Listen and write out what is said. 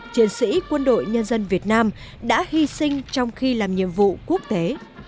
chiến sĩ quân đội nhân dân việt nam đã hy sinh trong khi làm nhiệm vụ quốc tế